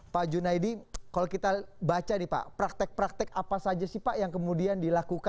pak junaidy kalau kita baca nih pak praktek praktek apa saja sih pak yang kemudian dilakukan di padepokan ini yang menurut anda mungkin tidak masuk akal